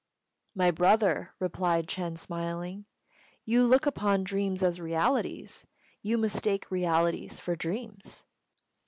"My brother," replied Ch'êng, smiling, "you look upon dreams as realities: you mistake realities for dreams."